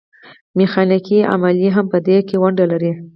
میخانیکي عملیې هم په دې کې ونډه لري.